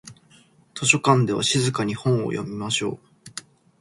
図書館では静かに本を読みましょう。